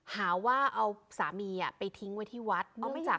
หาว่าเอาสามีอ่ะไปทิ้งไว้ที่วัดอ๋อไม่จับ